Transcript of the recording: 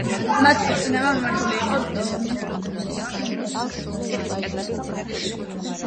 მათი ქორწინება მიმართული იყო ნიდერლანდებისა და შვედეთ-ნორვეგიის ალიანსის შესაქმნელად.